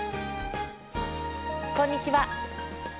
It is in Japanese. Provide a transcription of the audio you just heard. こんにちは。